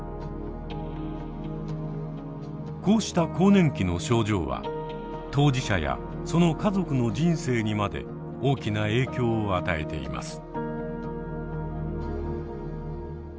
こうした更年期の症状は当事者やその家族の人生にまで大きな影響を与えています。